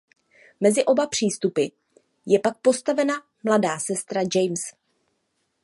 Mezi oba přístupy je pak postavena mladá sestra James.